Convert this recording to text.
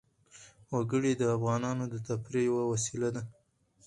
وګړي د افغانانو د تفریح یوه وسیله ده.